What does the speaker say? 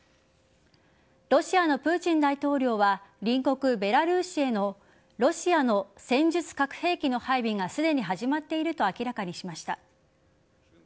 ロシアのプーチン大統領は隣国・ベラルーシへのロシアの戦術核兵器の配備がすでに始まっていると明らかにしました。